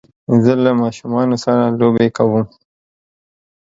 زه له ماشومانو سره لوبی کوم